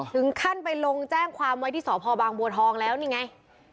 ถึงขั้นไปลงแจ้งความไว้ที่สพบางบัวทองแล้วนี่ไง